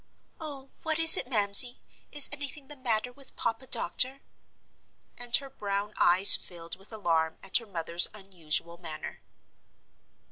"Oh, what is it, Mamsie Is anything the matter with Papa Doctor?" And her brown eyes filled with alarm at her mother's unusual manner.